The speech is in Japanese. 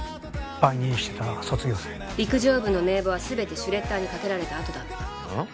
売人してた卒業生陸上部の名簿は全てシュレッダーにかけられたあとだったうん？